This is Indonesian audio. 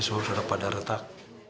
semua sudah pada retak